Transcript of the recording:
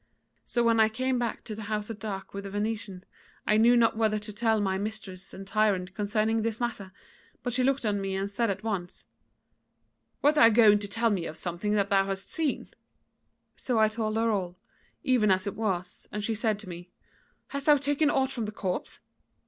So when I came back to the house at dark with the venison, I knew not whether to tell my mistress and tyrant concerning this matter; but she looked on me and said at once: 'Wert thou going to tell me of something that thou hast seen?' So I told her all, even as it was, and she said to me: 'Hast thou taken aught from the corpse?'